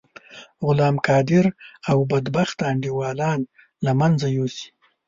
غلام قادر او بدبخته انډيوالان له منځه یوسی.